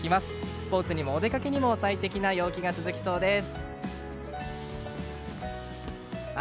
スポーツにもお出かけにも最適な陽気が続きそうです。